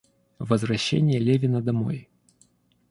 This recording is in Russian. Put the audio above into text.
Возвращение Левина домой.